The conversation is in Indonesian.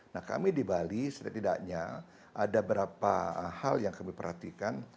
nah kami di bali setidaknya ada beberapa hal yang kami perhatikan